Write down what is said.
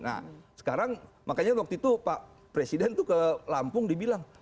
nah sekarang makanya waktu itu pak presiden itu ke lampung dibilang